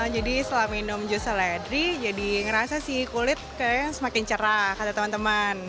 jadi setelah minum jus seledri jadi ngerasa sih kulit semakin cerah kata teman teman